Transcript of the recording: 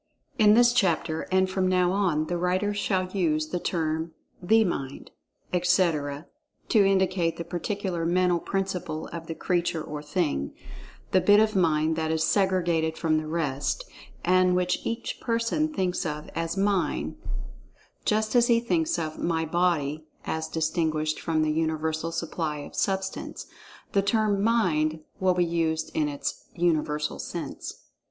In this chapter and from now on, the writer shall use the term "the Mind," etc., to indicate the particular mental principle of the creature or thing—the bit of Mind that is segregated from the rest, and which each person thinks of as "mine," just as he thinks of "my" body, as distinguished from the universal supply of[Pg 31] Substance. The term "Mind" will be used in its Universal sense.